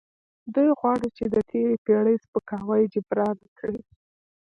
دوی غواړي چې د تیرې پیړۍ سپکاوی جبران کړي.